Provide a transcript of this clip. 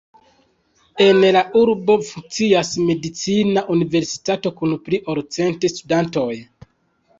En la urbo funkcias medicina universitato kun pli ol cent studantoj.